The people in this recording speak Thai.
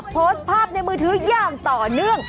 โพสต์ภาพในมือถืออย่างต่อเนื่อง